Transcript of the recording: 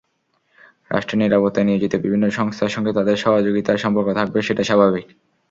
রাষ্ট্রের নিরাপত্তায় নিয়োজিত বিভিন্ন সংস্থার সঙ্গে তাদের সহযোগিতার সম্পর্ক থাকবে, সেটা স্বাভাবিক।